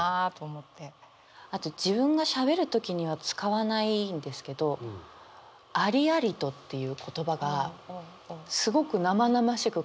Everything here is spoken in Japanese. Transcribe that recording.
あと自分がしゃべる時には使わないんですけど「ありありと」っていう言葉がすごく生々しく感じて。